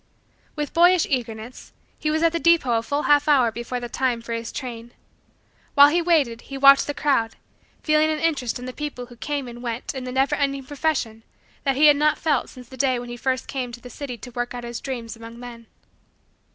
With boyish eagerness, he was at the depot a full half hour before the time for his train. While he waited, he watched the crowd, feeling an interest in the people who came and went in the never ending profession that he had not felt since that day when he had first come to the city to work out his dreams among men.